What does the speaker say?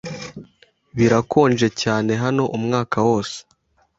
Birakonje cyane hano umwaka wose.